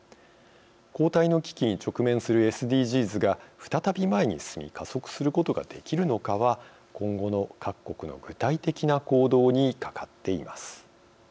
後退の危機に直面するＳＤＧｓが再び、前に進み加速することができるのかは今後の各国の具体的な行動にかかっています。